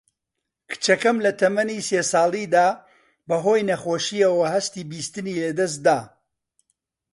کچەکەم لە تەمەنی سێ ساڵیدا بە هۆی نەخۆشییەوە هەستی بیستنی لەدەست دا